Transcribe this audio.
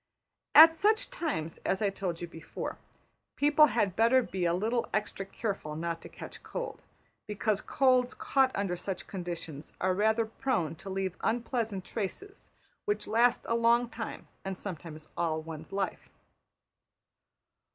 At such times, as I told you before, people had better be a little extra careful not to catch cold; because colds caught under such conditions are rather prone to leave unpleasant traces, which last a long time, and sometimes all one's life.